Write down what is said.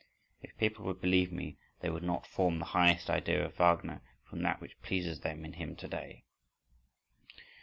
If people would believe me, they would not form the highest idea of Wagner from that which pleases them in him to day.